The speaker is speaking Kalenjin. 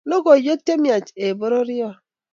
Logoiwech che miach, Eh bororyo